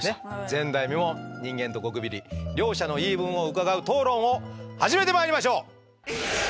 前代未聞人間とゴキブリ両者の言い分を伺う討論を始めてまいりましょう！